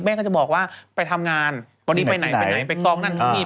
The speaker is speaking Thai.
ก็จะบอกว่าไปทำงานวันนี้ไปไหนไปไหนไปกองนั่นที่นี่